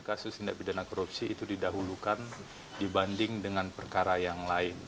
kasus tindak pidana korupsi itu didahulukan dibanding dengan perkara yang lain